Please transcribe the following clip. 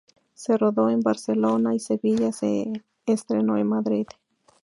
Se rodó en Barcelona y Sevilla y se estrenó en Madrid.